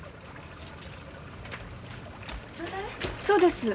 そうです。